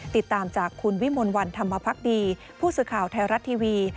ติดตามจากคุณวิมลวันธรรมพักดีผู้สื่อข่าวไทยรัฐทีวี